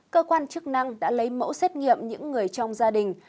cơ quan chức năng đã lấy mẫu xét nghiệm những người trong gia đình